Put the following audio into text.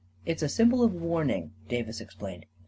" It's a symbol of warning," Davis explained.